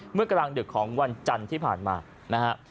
เมื่อกลางดึกของวันจันทร์ที่ผ่านมานะฮะ